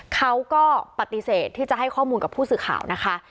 เขาก็ปฏิเสธที่จะให้ข้อมูลกับผู้สื่อข่าวนะคะ